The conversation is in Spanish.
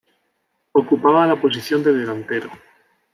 Ocupaba la posición de delantero.